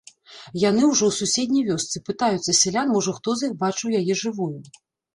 Яны ўжо ў суседняй вёсцы, пытаюцца сялян, можа, хто з іх бачыў яе жывую.